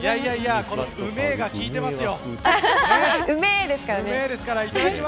うめが効いていますよ。